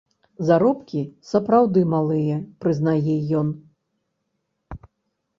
Заробкі сапраўды малыя, прызнае ён.